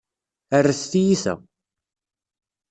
Rret tiyita.